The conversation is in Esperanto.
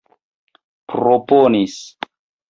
proponis